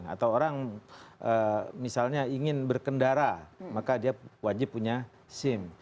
atau orang misalnya ingin berkendara maka dia wajib punya sim